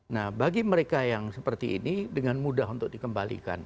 nah bagi mereka yang seperti ini dengan mudah untuk dikembalikan